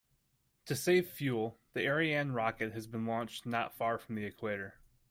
To save fuel, the Ariane rocket has been launched not far from the equator.